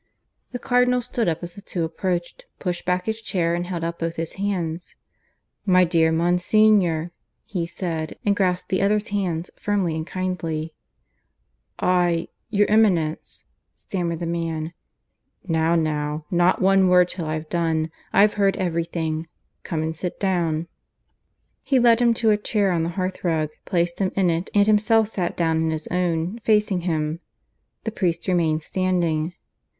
The Cardinal stood up as the two approached, pushing back his chair, and held out both his hands. "My dear Monsignor," he said, and grasped the other's hands firmly and kindly. "I ... your Eminence ..." stammered the man. "Now, now; not one word till I've done. I've heard everything. Come and sit down." He led him to a chair on the hearth rug, placed him in it, and himself sat down in his own, facing him. The priest remained standing.